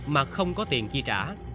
mà không có tiền chi trả